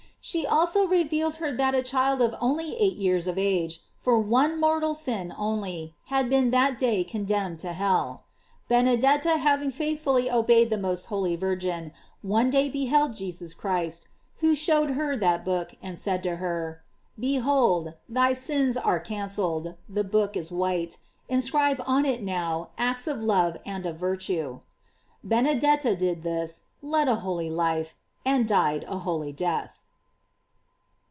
She also revealed her that a child of only eight years of age, fof one mortal sin only, had been that day condemn GLORIES OF MARY 23i ed to hell. Benedetta having faithfully obeyed the most holy Virgin, one day beheld Jesus Christ, who showed her that book, and said to her: Be hold, thy sins are cancelled; the book is white, inscribe on it now acts of love and of virtue. Benedetta did this, led a holy life, and died a holy death.